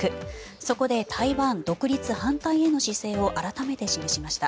そこで台湾独立反対への姿勢を改めて示しました。